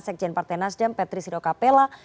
sekjen partai nasdem patrice hidoka pella